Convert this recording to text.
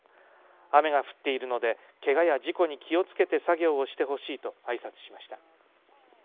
雨が降っているのでけがや事故に気をつけて作業をしてほしいとあいさつしました。